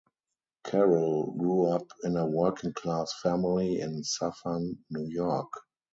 Carole grew up in a working-class family in Suffern, New York.